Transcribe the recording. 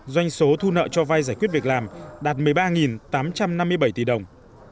doanh số thu nợ cho vay giải quyết việc làm đạt một mươi ba tám trăm năm mươi bảy tỷ đồng